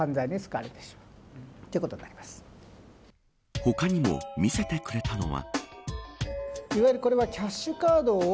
他にも見せてくれたのは。